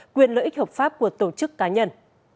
quyền lợi ích hợp pháp của tổ chức cá nhân